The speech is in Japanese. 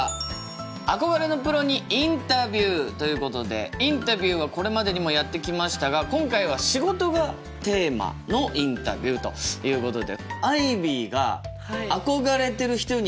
「憧れのプロにインタビュー」ということでインタビューはこれまでにもやってきましたが今回は仕事がテーマのインタビューということででいおりも一緒に？